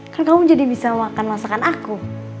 kan kamu jadi bisa makan masakan aku